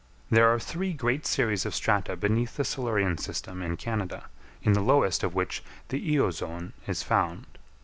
There are three great series of strata beneath the Silurian system in Canada, in the lowest of which the Eozoon is found.